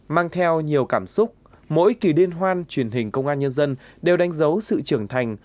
mang theo nhiều cảm xúc mỗi kỳ liên hoan truyền hình công an nhân dân đều đánh dấu sự trưởng thành